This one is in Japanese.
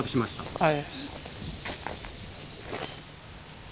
はい。